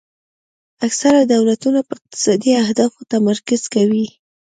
اکثره دولتونه په اقتصادي اهدافو تمرکز کوي